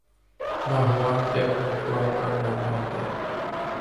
Մահուան տեղն ու թուականն անյայտ է։